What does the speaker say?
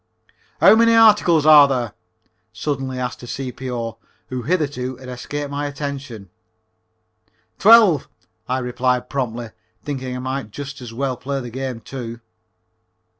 "How many Articles are there?" suddenly asked a C.P.O. who hitherto had escaped my attention. "Twelve," I replied promptly, thinking I might just as well play the game, too.